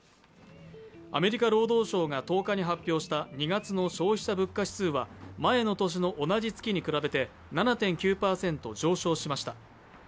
アメリカ労働省が１０日に発表した２月の消費者物価指数は、前の年の同じ月に比べて７．９％上昇しました。